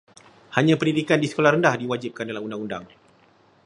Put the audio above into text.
Hanya pendidikan di sekolah rendah diwajibkan dalam undang-undang.